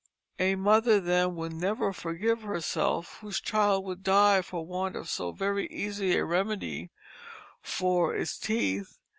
A mother then would never forgive herself whose child should die for want of so very easy a remedy for its teeth.